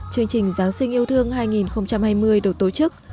chương trình giáng sinh yêu thương hai nghìn hai mươi được tổ chức